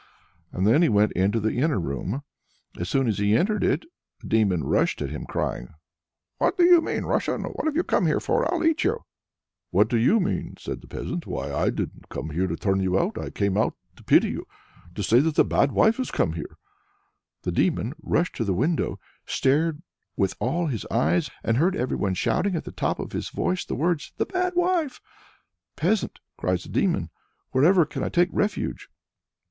and then he went into the inner room. As soon as he entered it, the demon rushed at him crying, "What do you mean, Russian? what have you come here for? I'll eat you!" "What do you mean?" said the peasant, "why I didn't come here to turn you out. I came, out of pity to you, to say that the Bad Wife has come here." The Demon rushed to the window, stared with all his eyes, and heard everyone shouting at the top of his voice the words, "The Bad Wife!" "Peasant," cries the Demon, "wherever can I take refuge?"